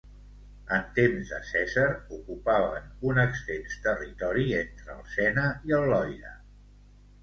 En temps de Cèsar ocupaven un extens territori entre el Sena i el Loira.